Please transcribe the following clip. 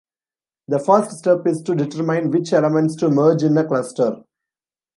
The first step is to determine which elements to merge in a cluster.